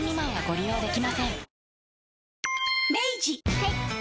はい。